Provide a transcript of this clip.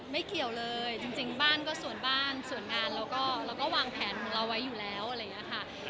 เกี่ยวเลยจริงบ้านก็ส่วนบ้านส่วนงานเราก็วางแผนของเราไว้อยู่แล้วอะไรอย่างนี้ค่ะ